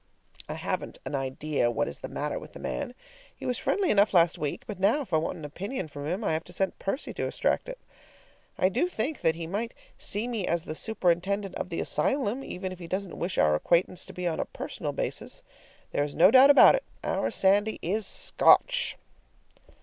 I haven't an idea what is the matter with the man. He was friendly enough last week, but now, if I want an opinion from him, I have to send Percy to extract it. I do think that he might see me as the superintendent of the asylum, even if he doesn't wish our acquaintance to be on a personal basis. There is no doubt about it, our Sandy is Scotch!